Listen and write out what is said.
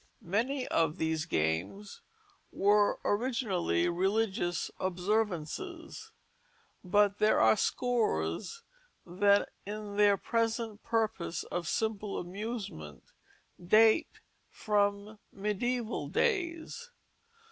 Many of these games were originally religious observances; but there are scores that in their present purpose of simple amusement date from mediæval days.